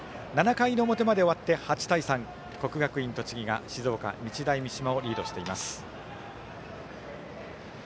７回の表まで終わって８対３と国学院栃木が静岡・日大三島をリードしています。